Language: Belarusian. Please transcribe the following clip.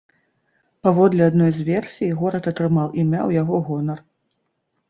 Паводле адной з версій, горад атрымаў імя ў яго гонар.